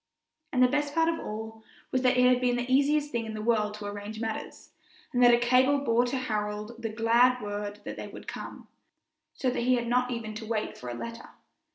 And the best part of it all was that it had been the easiest thing in the world to arrange matters, and that a cable bore to Harold the glad word that they would come, so that he had not even to wait for a letter.